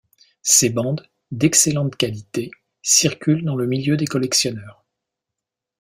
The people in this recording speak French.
Ces bandes, d'excellente qualité, circulent dans le milieu des collectionneurs.